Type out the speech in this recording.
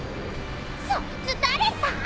そいつ誰さ！？